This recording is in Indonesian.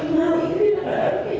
karena ini tidak akan